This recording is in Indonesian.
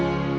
ibu anda pun